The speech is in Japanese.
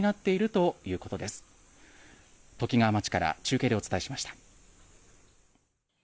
ときがわ町から中継でお伝えしました。